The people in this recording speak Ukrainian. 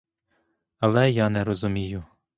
Але я не розумію!